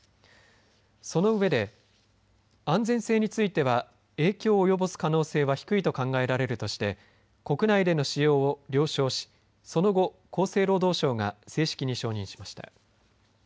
そのうえで安全性については影響を及ぼす可能性は低いと考えられるとして国内での使用を了承しその後、厚生労働省が正式に承認しました。